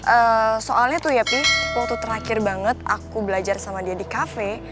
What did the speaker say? ee soalnya tuh ya pi waktu terakhir banget aku belajar sama dia di cafe